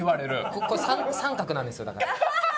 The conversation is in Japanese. ここ三角なんですよだから。